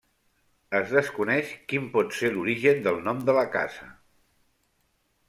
Es desconeix quin pot ser l'origen del nom de la casa.